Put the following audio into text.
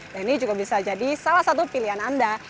dan ini juga bisa jadi salah satu pilihan anda